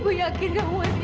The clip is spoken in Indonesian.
aku tahu kamu dimana